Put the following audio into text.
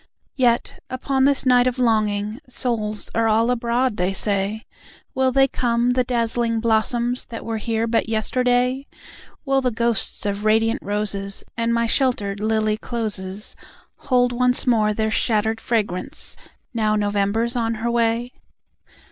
Yet, upon this night of longing, Souls are all abroad, they say. Will they come, the dazzling blossoms, That were here but yesterday? Will the ghosts of radiant roses And my sheltered lily closes Hold once more their shattered fragrance now November's on her way?